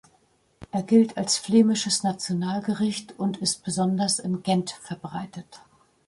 Er gilt als flämisches Nationalgericht und ist besonders in Gent verbreitet.